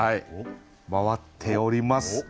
回っております。